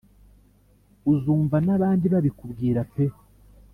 uzumva nabandi babikubwira pee"